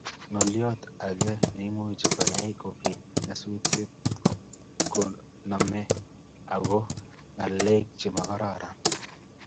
ngolyot age nemuch koyaii kobiit nyasusiet koname ago ngalek chemagororon